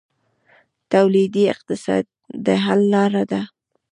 تولیدي اقتصاد د حل لاره ده